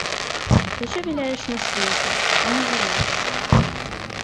Ты ўсё віляеш на свеце, а не жывеш.